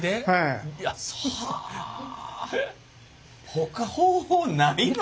ほか方法ないの？